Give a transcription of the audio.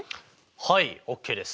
はいＯＫです！